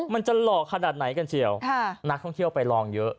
มันจะหล่อขนาดไหนกันเชียวนักท่องเที่ยวไปลองเยอะ